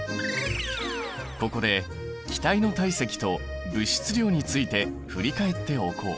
ここで気体の体積と物質量について振り返っておこう。